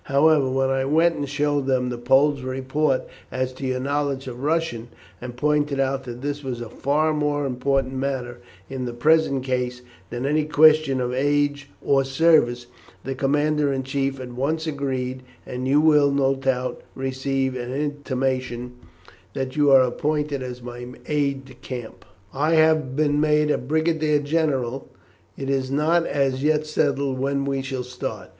However, when I went and showed them the Pole's report as to your knowledge of Russian, and pointed out that this was a far more important matter in the present case than any question of age or service, the commander in chief at once agreed, and you will no doubt receive an intimation that you are appointed my aide de camp. I have been made a brigadier general. It is not as yet settled when we shall start.